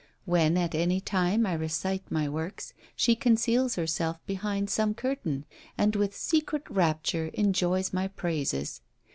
When at any time I recite my works, she conceals herself behind some curtain, and with secret rapture enjoys my praises.